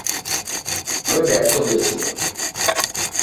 তবে ব্যর্থ হয়েছিল।